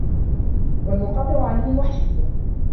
وَالْمُنْقَطِعُ عَنْهُمْ وَحْشِيًّا